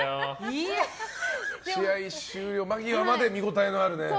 試合終了間際まで見ごたえのあるね。